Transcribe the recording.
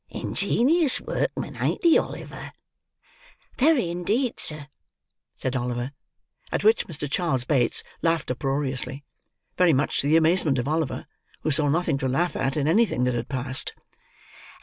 Ingenious workman, ain't he, Oliver?" "Very indeed, sir," said Oliver. At which Mr. Charles Bates laughed uproariously; very much to the amazement of Oliver, who saw nothing to laugh at, in anything that had passed.